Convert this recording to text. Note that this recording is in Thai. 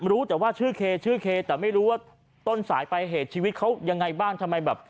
รู้แต่ว่าชื่อเคชื่อเคแต่ไม่รู้ว่าต้นสายไปเหตุชีวิตเขายังไงบ้างทำไมแบบ